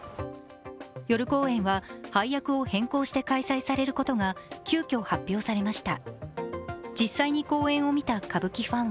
夜公演は、配役を変更して開催されることが急きょ発表されました。